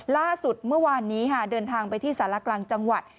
ล่าสุดเมื่อวานนี้ค่ะเดินทางไปที่สารกลางจังหวัด